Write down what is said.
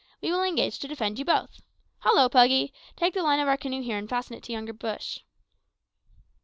We will engage to defend you both. Hollo, Puggy! take the line of our canoe here and fasten it to yonder bush."